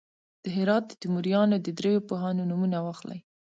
د هرات د تیموریانو د دریو پوهانو نومونه واخلئ.